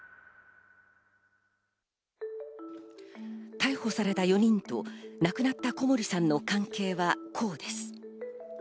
逮捕された４人と亡くなった小森さんの関係はこうです。